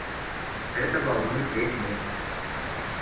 Это волнует весь мир.